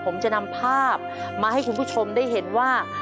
ผมจะนำภาพมาให้คุณผู้ชมได้เห็นว่า